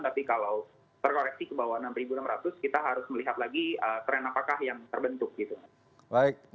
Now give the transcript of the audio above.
tapi kalau terkoreksi ke bawah enam enam ratus kita harus melihat lagi tren apakah yang terbentuk gitu